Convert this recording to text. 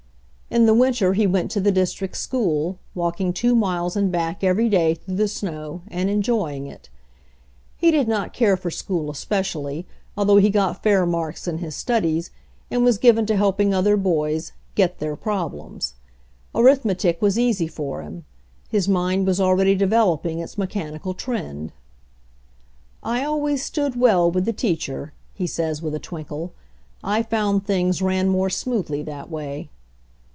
In the winter he went to the district school, walking two miles and back every day through the snow, and enjoying it. He did not care for school especially, although he got fair marks in his studies, and was given to helping other boys "get their problems." Arithmetic was easy for him. His mind was already developing its me chanical trend. "I always stood well with the teacher," he says with a twinkle. "I found things ran more smoothly that way."